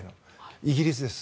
イギリスです。